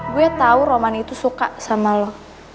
gue tau roman itu suka sama lo